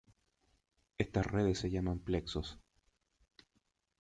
Estas redes se llaman plexos.